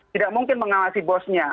tidak mungkin mengawasi bosnya